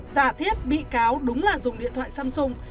giả thiết bị cáo đúng là dùng điện thoại samsung